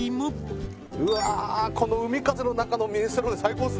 うわこの海風の中のミネストローネ最高ですね。